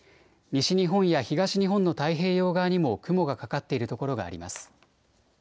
西日本や東日本の太平洋側にも雲がかかっている所があります。